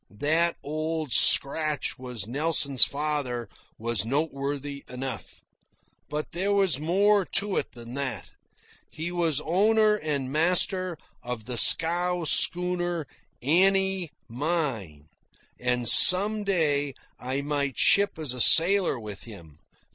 That Old Scratch was Nelson's father was noteworthy enough. But there was more in it than that. He was owner and master of the scow schooner Annie Mine, and some day I might ship as a sailor with him.